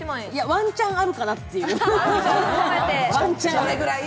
ワンチャンあるかなっていう。